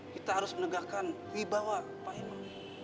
kita harus menegakkan wibawa pak imam